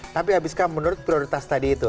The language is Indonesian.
tapi habiskan menurut prioritas tadi itu